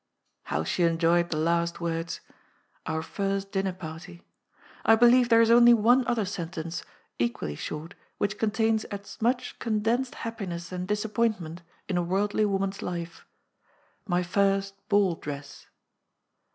How she enjoyed the last words, " Our first dinner party !" I believe there is only one other sentence, equally short, which contains as much condensed happiness and disap pointment in a worldly woman's life. ." My first ball dress